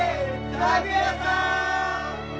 拓哉さん！